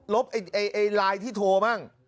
ลบไลน์ที่โทรบ้าง